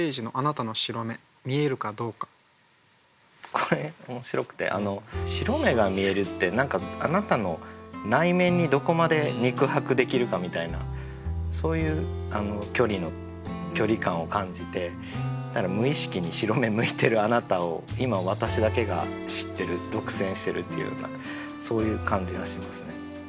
これ面白くて「白目が見える」ってあなたの内面にどこまで肉薄できるかみたいなそういう距離感を感じて無意識に白目むいてるあなたを今私だけが知ってる独占してるっていうようなそういう感じがしますね。